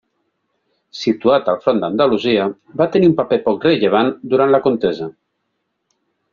Situat al front d'Andalusia, va tenir un paper poc rellevant durant la contesa.